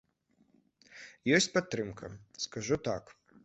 Ёсць падтрымка, скажу так.